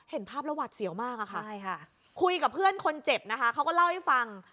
เห็นภาพแล้วหวัดเสียวมากอะค่ะคุยกับเพื่อนคนเจ็บนะคะเขาก็เล่าให้ฟัง